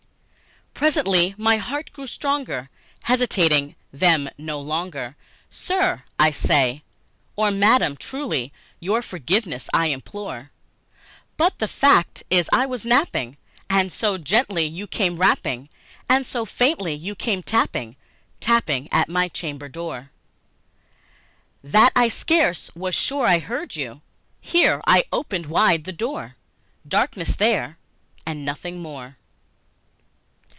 Presently my soul grew stronger; hesitating then no longer, "Sir," said I, "or madam, truly your forgiveness I implore; But the fact is, I was napping, and so gently you came rapping, And so faintly you came tapping, tapping at my chamber door, That I scarce was sure I heard you." Here I opened wide the door: Darkness there, and nothing more.